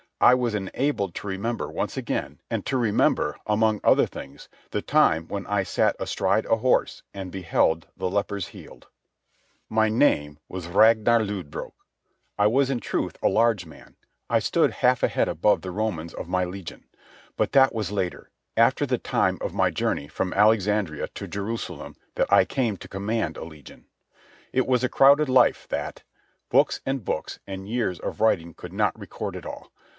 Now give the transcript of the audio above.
I was enabled to remember once again, and to remember, among other things, the time when I sat astride a horse and beheld the lepers healed. My name was Ragnar Lodbrog. I was in truth a large man. I stood half a head above the Romans of my legion. But that was later, after the time of my journey from Alexandria to Jerusalem, that I came to command a legion. It was a crowded life, that. Books and books, and years of writing could not record it all.